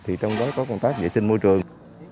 thì trong đó có công tác vệ sinh môi trường